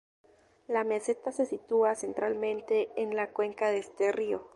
La meseta se sitúa centralmente en la cuenca de este río.